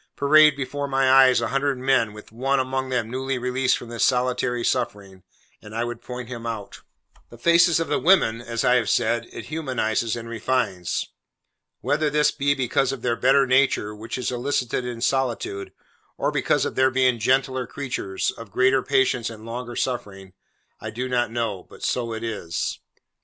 Parade before my eyes, a hundred men, with one among them newly released from this solitary suffering, and I would point him out. The faces of the women, as I have said, it humanises and refines. Whether this be because of their better nature, which is elicited in solitude, or because of their being gentler creatures, of greater patience and longer suffering, I do not know; but so it is.